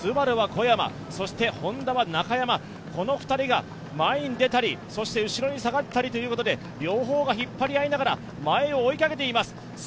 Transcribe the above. ＳＵＢＡＲＵは小山、そしてＨｏｎｄａは中山、この２人が前に出たり、そして後ろに下がったりということで両方が引っ張り合いながら前を追いかけています。